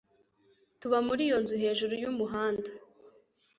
Tuba muri iyo nzu hejuru yumuhanda.